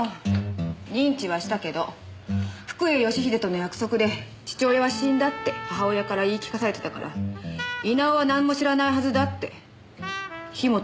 認知はしたけど福栄義英との約束で父親は死んだって母親から言い聞かされてたから稲尾は何も知らないはずだって樋本が言ってたわ。